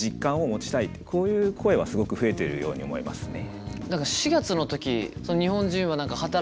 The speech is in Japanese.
こういう声はすごく増えているように思いますね。